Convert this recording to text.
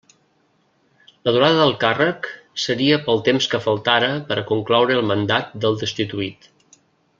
La durada del càrrec seria pel temps que faltara per a concloure el mandat del destituït.